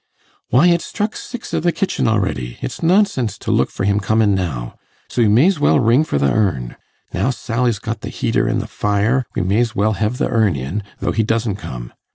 'Why, it's struck six i' the kitchen a'ready. It's nonsense to look for him comin' now. So you may's well ring for th' urn. Now Sally's got th' heater in the fire, we may's well hev th' urn in, though he doesn't come.